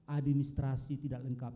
administrasi tidak lengkap